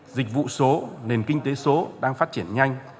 dịch vụ số nền kinh tế số đang phát triển nhanh